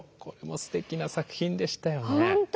これもすてきな作品でしたよね。